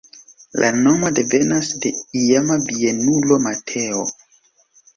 La nomo devenas de iama bienulo Mateo.